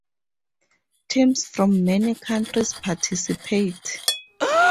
Teams from many countries participate.